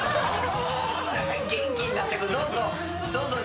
元気になってくどんどん。